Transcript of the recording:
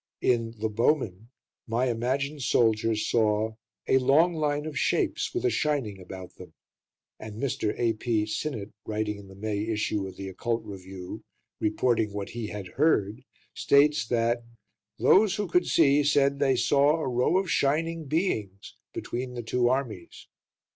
In "The Bowmen" my imagined soldier saw "a long line of shapes, with a shining about them." And Mr. A.P. Sinnett, writing in the May issue of The Occult Review, reporting what he had heard, states that "those who could see said they saw 'a row of shining beings' between the two armies."